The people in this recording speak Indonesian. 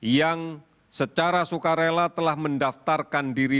yang secara sukarela telah mendaftarkan diri